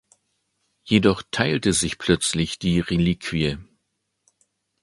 Jedoch teilte sich plötzlich die Reliquie.